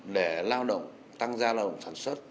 để lao động tăng gia lao động sản xuất